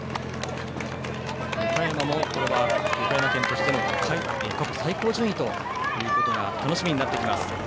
岡山も、岡山県としての過去最高順位ということが楽しみになってきます。